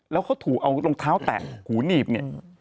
แล้วเขาถูกเอารองเท้าแตะหูหนีบเนี่ย